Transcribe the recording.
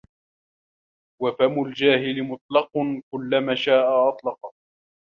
وَفَمُ الْجَاهِلِ مُطْلَقٌ كُلَّمَا شَاءَ أَطْلَقَ